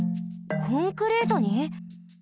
コンクリートに？